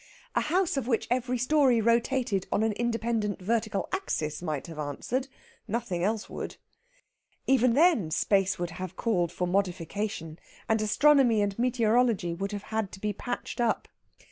A house of which every story rotated on an independent vertical axis might have answered nothing else would. Even then space would have called for modification, and astronomy and meteorology would have had to be patched up.